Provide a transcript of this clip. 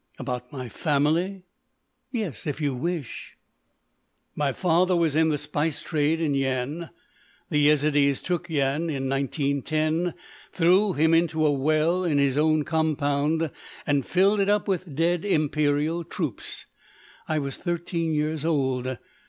"About my family? Yes, if you wish. My father was in the spice trade in Yian. The Yezidees took Yian in 1910, threw him into a well in his own compound and filled it up with dead imperial troops. I was thirteen years old....